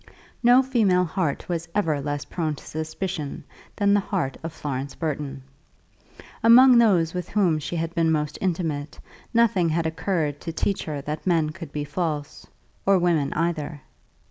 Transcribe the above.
No female heart was ever less prone to suspicion than the heart of Florence Burton. Among those with whom she had been most intimate nothing had occurred to teach her that men could be false, or women either.